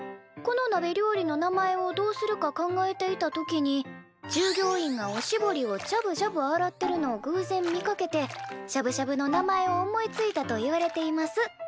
このなべ料理の名前をどうするか考えていた時に従業員がおしぼりをじゃぶじゃぶ洗ってるのをぐうぜん見かけてしゃぶしゃぶの名前を思いついたといわれています」